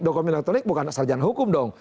dokumen elektronik bukan sarjana hukum dong